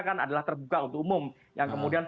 kan adalah terbuka untuk umum yang kemudian